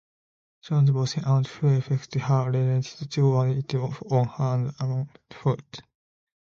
Jon's bossy aunt, who expects her relatives to wait on her hand and foot.